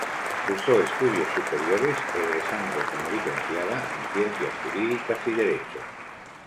Cursó estudios superiores egresando como licenciada en ciencias jurídicas y derecho.